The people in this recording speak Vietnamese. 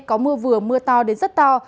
có mưa vừa mưa to đến rất to